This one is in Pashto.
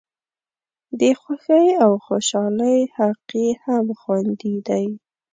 د خوښۍ او خوشالۍ حق یې هم خوندي دی.